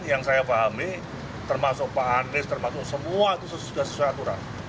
yang saya pahami termasuk pak andries termasuk semua itu sudah sesuai aturan